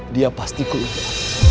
dia pasti kuatir